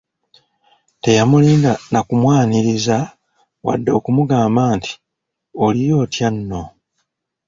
Teyamulinda nakumwaniriza, wadde okumugamba nti, “Oliyo otyanno?"